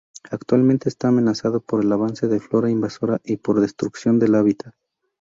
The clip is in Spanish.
Actualmente está amenazada por el avance de flora invasora y por destrucción de habitat.